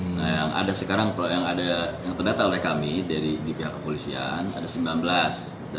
nah yang ada sekarang kalau yang terdata oleh kami dari di pihak kepolisian ada sembilan belas